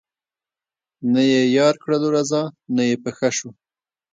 نه یې یار کړلو رضا نه یې په ښه شو